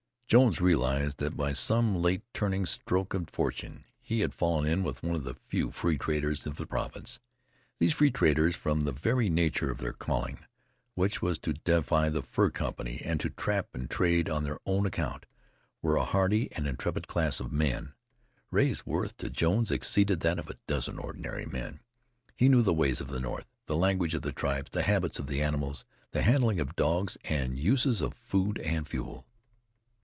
Jones realized that by some late turning stroke of fortune, he had fallen in with one of the few free traders of the province. These free traders, from the very nature of their calling, which was to defy the fur company, and to trap and trade on their own account were a hardy and intrepid class of men. Rea's worth to Jones exceeded that of a dozen ordinary men. He knew the ways of the north, the language of the tribes, the habits of animals, the handling of dogs, the uses of food and fuel.